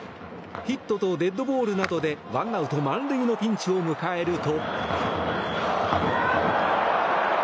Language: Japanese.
ヒットとデッドボールなどで１アウト満塁のピンチを迎えると。